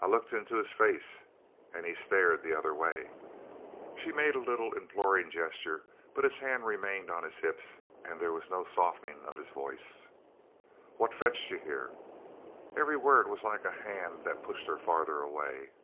"I looked into his face an' he stared the other way." She made a little imploring gesture, but his hand remained on his hips, and there was no softening of his voice. "What fetched you here?" Every word was like a hand that pushed her farther away.